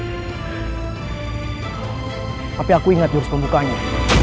tapi aku ingat jurus pembukanya